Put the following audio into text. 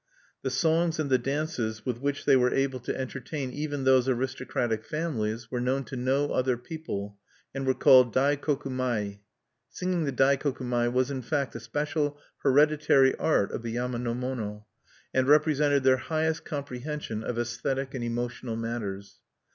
The songs and the dances with which they were able to entertain even those aristocratic families were known to no other people, and were called Daikoku mai. Singing the Daikoku mai was, in fact, the special hereditary art of the yama no mono, and represented their highest comprehension of aesthetic and emotional matters.